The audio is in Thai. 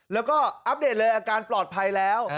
แล้วก็อัปเดตเลยอาการปลอดภัยแล้ว